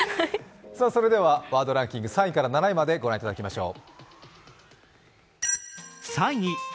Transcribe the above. それではワードランキング３位から５位まで御覧いただきましょう。